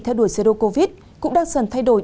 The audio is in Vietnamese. theo đuổi zero covid cũng đang dần thay đổi